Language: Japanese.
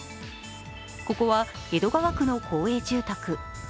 ここは江戸川区の公営住宅。